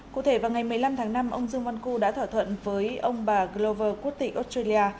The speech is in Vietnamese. cụ thể vào ngày một mươi năm tháng năm ông dương văn cư đã thỏa thuận với ông bà glover quốc tịch australia